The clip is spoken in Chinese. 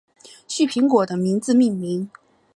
旭苹果的名字命名。